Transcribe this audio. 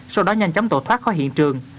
sau đó nhanh chóng tổ thoát khỏi hiện trường